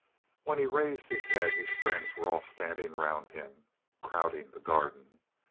When he raised his head his friends were all standing round him, crowding the garden.